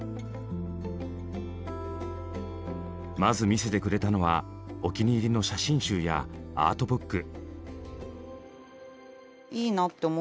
まず見せてくれたのはお気に入りの写真集やアートブック。